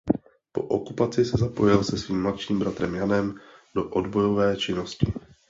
Po okupaci se zapojil se svým mladším bratrem Janem do odbojové činnosti.